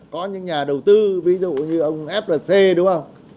có những nhà đầu tư ví dụ như ông flc đúng không